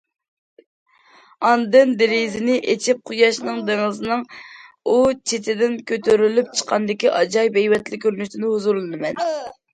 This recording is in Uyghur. ئاندىن دېرىزىنى ئېچىپ، قۇياشنىڭ دېڭىزنىڭ ئۇ چېتىدىن كۆتۈرۈلۈپ چىققاندىكى ئاجايىپ ھەيۋەتلىك كۆرۈنۈشىدىن ھۇزۇرلىنىمەن.